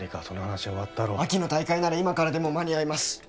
その話は終わったろう秋の大会なら今からでも間に合います